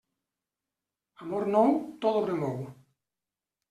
Amor nou, tot ho remou.